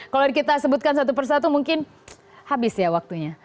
kalau kita sebutkan satu persatu mungkin habis ya waktunya